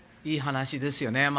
いい話ですよね。